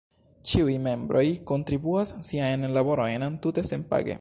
Ĉiuj membroj kontribuas siajn laborojn tute senpage.